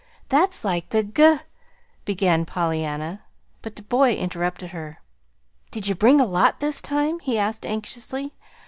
That's like the ga " began Pollyanna; but the boy interrupted her. "Did you bring a lot this time?" he asked anxiously.